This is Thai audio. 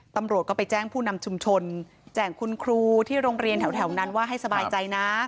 ตำรวจก็ไปแจ้งผู้นำชุมชนแจ้งคุณครูที่โรงเรียนแถวนั้นว่าให้สบายใจนะ